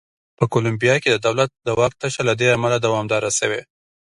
په کولمبیا کې د دولت د واک تشه له دې امله دوامداره شوې.